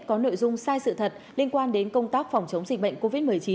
có nội dung sai sự thật liên quan đến công tác phòng chống dịch bệnh covid một mươi chín